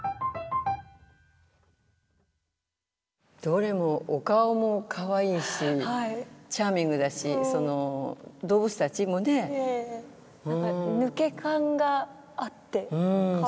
どれもお顔もかわいいしチャーミングだしその動物たちもね。抜け感があってかわいらしい。